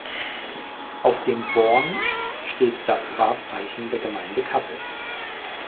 Auf dem Born steht das Wahrzeichen der Gemeinde Kappel.